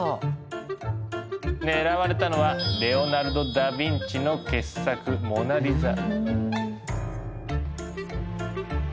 狙われたのはレオナルド・ダビンチの傑作「モナ・リザ」。